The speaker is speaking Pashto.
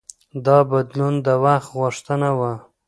دا بدلون د وخت غوښتنه وه.